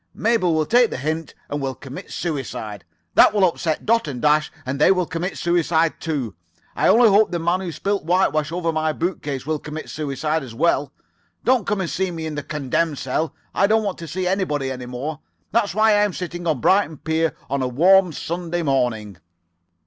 Mabel will take the hint, and will commit suicide. That will upset Dot and Dash, and they will [Pg 78]commit suicide too. I only hope the man who spilt whitewash over my bookcase will commit suicide as well. Don't come and see me in the condemned cell. I don't want to see anybody any more. That's why I'm sitting on Brighton pier on a warm Sunday morning.